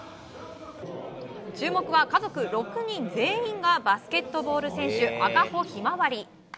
注目は、家族６人全員がバスケットボール選手赤穂ひまわり。